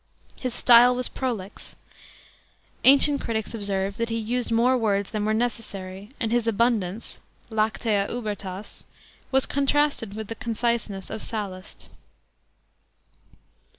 His style was prolix. Ancient critics observed that he used more words than were necessary, and his "abundance" (lactea ubertas) was contrasted with the conciseness of Sallust.